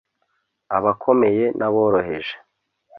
abakomeye n’aboroheje